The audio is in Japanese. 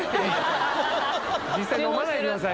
実際飲まないでください